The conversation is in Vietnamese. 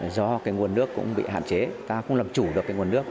do nguồn nước cũng bị hạn chế ta cũng làm chủ được nguồn nước